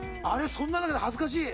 そんな中で恥ずかしい。